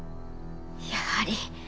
やはり。